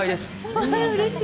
うれしい！